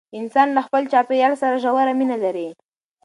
انسان له خپل چاپیریال سره ژوره مینه لري.